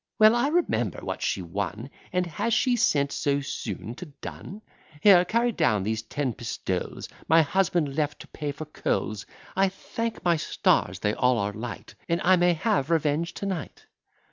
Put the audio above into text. "Well, I remember what she won; And has she sent so soon to dun? Here, carry down these ten pistoles My husband left to pay for coals: I thank my stars they all are light, And I may have revenge to night."